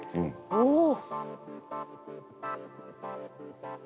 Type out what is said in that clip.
おお！